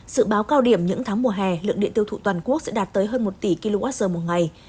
dự báo cao điểm những tháng mùa hè lượng điện tiêu thụ toàn quốc sẽ đạt tới hơn một tỷ kwh một ngày